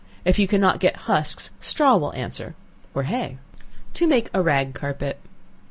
If you cannot get husks, straw will answer, or hay. To Make a Rag Carpet.